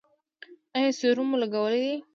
ایا سیروم مو لګولی دی؟